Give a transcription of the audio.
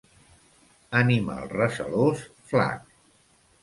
Animal recelós, flac.